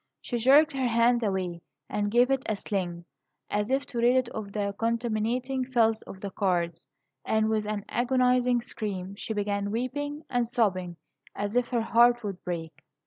She jerked her hand away, and gave it a sling as if to rid it of the contaminating filth of the cards; and, with an agonizing scream, she began weeping and sobbing as if her heart would break.